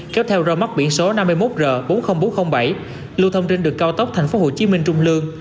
kéo theo rơ móc biển số năm mươi một r bốn mươi nghìn bốn trăm linh bảy lưu thông trên đường cao tốc tp hcm trung lương